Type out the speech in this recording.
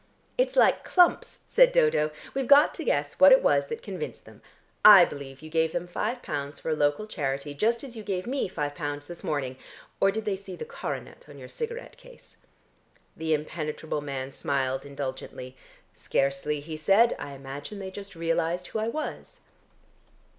"It's like clumps," said Dodo. "We've got to guess what it was that convinced them. I believe you gave them five pounds for a local charity, just as you gave me five pounds this morning. Or did they see the coronet on your cigarette case?" The impenetrable man smiled indulgently. "Scarcely," he said, "I imagine they just realised who I was."